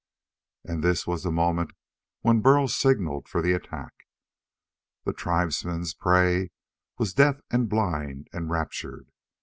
And this was the moment when Burl signalled for the attack. The tribesmen's prey was deaf and blind and raptured.